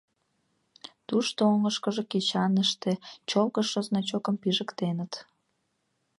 Тушто оҥышкыжо кечаныште чолгыжшо значокым пижыктеныт.